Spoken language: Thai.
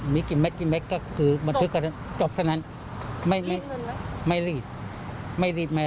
ไม่ลีบไม่อะไร